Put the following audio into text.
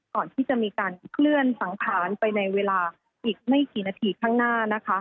ก่อนที่จะมีการเคลื่อนสังขารไปในเวลาอีกไม่กี่นาทีข้างหน้านะคะ